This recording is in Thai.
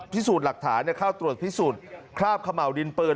พิสูจน์หลักฐานเข้าตรวจพิสูจน์คราบเขม่าวดินปืน